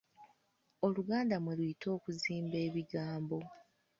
Oluganda mwe luyita okuzimba ebigambo.